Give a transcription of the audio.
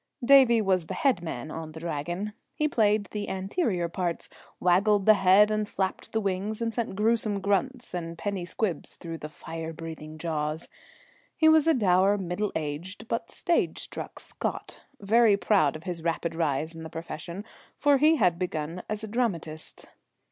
Davie was the head man on the Dragon. He played the anterior parts, waggled the head and flapped the wings and sent gruesome grunts and penny squibs through the "firebreathing" jaws. He was a dour middle aged, but stagestruck, Scot, very proud of his rapid rise in the profession, for he had begun as a dramatist.